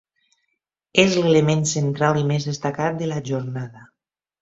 És l'element central i més destacat de la jornada.